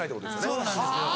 そうなんですよ。